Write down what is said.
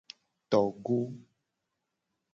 Togo.